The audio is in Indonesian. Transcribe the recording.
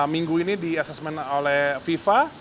minggu ini di asesmen oleh fifa